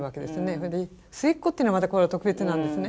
それで末っ子っていうのはまたこれは特別なんですね。